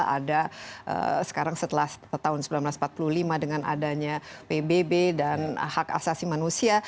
ada sekarang setelah tahun seribu sembilan ratus empat puluh lima dengan adanya pbb dan hak asasi manusia